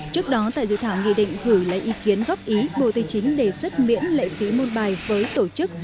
trước đó tại dự thảo nghị định gửi lấy ý kiến góp ý bộ tài chính đề xuất miễn lệ phí môn bài với tổ chức